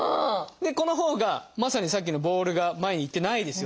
でこのほうがまさにさっきのボールが前にいってないですよね。